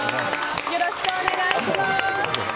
よろしくお願いします。